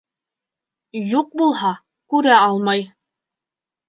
Юҡ булһа, күрә алмай.